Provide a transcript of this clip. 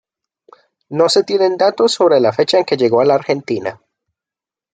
No se tienen datos sobre la fecha en que llegó a la Argentina.